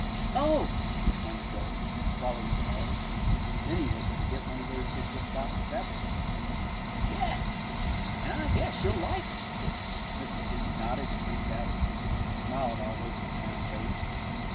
"Oh!" exclaimed Joel, swallowing hard. Then he wasn't to get one of those big wooden boxes, after all. "Yes, an' I guess you'll like 'em." Mrs. Beebe nodded and winked at him, and smiled all over her round face.